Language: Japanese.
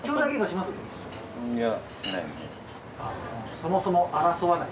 そもそも争わない？